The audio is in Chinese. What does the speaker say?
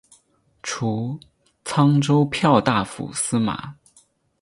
除沧州骠大府司马。